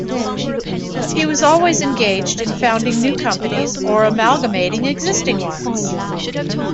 He was always engaged in founding new companies or amalgamating existing ones.